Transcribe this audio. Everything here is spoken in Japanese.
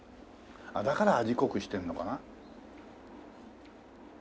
だから味濃くしてるのかな？